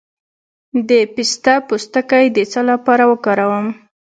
د پسته پوستکی د څه لپاره وکاروم؟